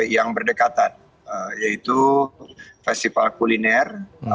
yang berdekatan yaitu festival kuliner